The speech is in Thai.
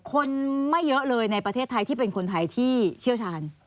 คนไม่เยอะเลยในประเทศไทยที่เป็นคนไทยที่เชี่ยวชาญ